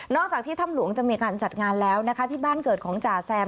จากที่ถ้ำหลวงจะมีการจัดงานแล้วนะคะที่บ้านเกิดของจ่าแซม